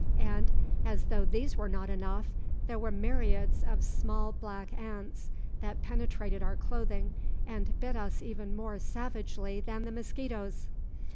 And, as though these were not enough, there were myriads of small black ants that penetrated our clothing and bit us even more savagely than the mosquitoes.